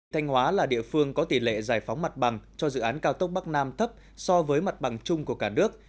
thanh hóa là địa phương có tỷ lệ giải phóng mặt bằng cho dự án cao tốc bắc nam thấp so với mặt bằng chung của cả nước